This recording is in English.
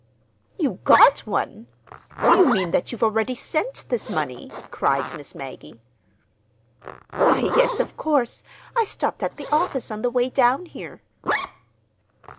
"You got one! Do you mean that you've already sent this money?" cried Miss Maggie. "Why, yes, of course. I stopped at the office on the way down here."